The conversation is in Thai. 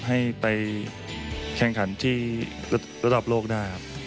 ให้ไปแข่งขันที่ระดับโลกได้ครับ